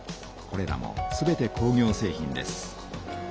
これらもすべて工業製品です。